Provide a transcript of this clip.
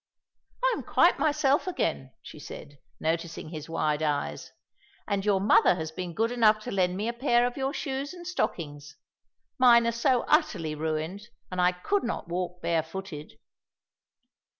"I am quite myself again," she said, noticing his wide eyes, "and your mother has been good enough to lend me a pair of your shoes and stockings. Mine are so utterly ruined, and I could not walk barefooted."